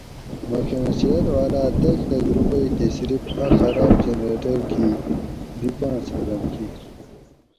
محکمہ صحت والاۤ دش لکھ روپئی تھی صرف اۤ خراب جنریٹر گی دی پاۤنس ہضم کیر